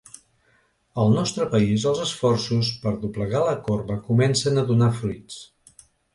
Al nostre país, els esforços per a doblegar la corba comencen a donar fruits.